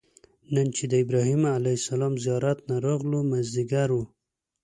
نن چې د ابراهیم علیه السلام زیارت نه راغلو مازیګر و.